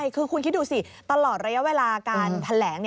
คือคุณคิดดูสิตลอดระยะเวลาการแถลง